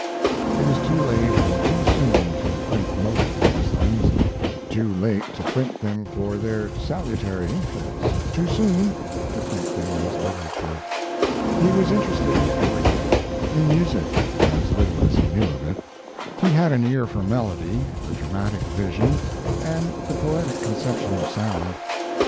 It is too late and too soon to print most of these things; too late to print them for their salutary influence, too soon to print them as literature. He was interested in everything: in music, as little as he knew of it. He had an ear for melody, a dramatic vision, and the poetic conception of sound.